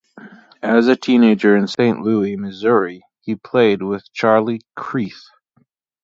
As a teenager in Saint Louis, Missouri he played with Charlie Creath.